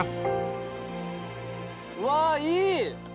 うわいい！